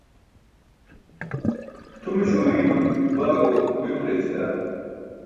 Tʰumiśo urii̇num baago uyum ġeyćila.